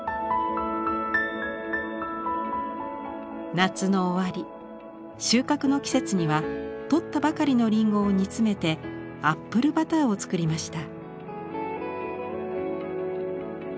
夏の終わり収穫の季節には採ったばかりのりんごを煮詰めてアップル・バターを作りました。